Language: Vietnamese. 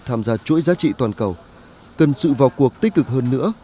tham gia chuỗi giá trị toàn cầu cần sự vào cuộc tích cực hơn nữa